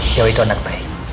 dewa itu anak baik